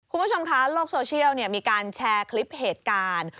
คุณผู้ชมคะโลกโซเชียลมีการแชร์คลิปเหตุการณ์